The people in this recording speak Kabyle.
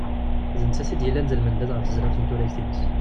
D nettat i d-yellan d lmendad ɣef tezrawt n turagt-ines.